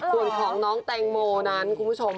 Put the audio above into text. ส่วนของน้องแตงโมนั้นคุณผู้ชม